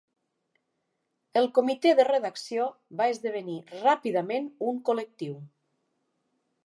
El "comitè de redacció" va esdevenir ràpidament un col·lectiu.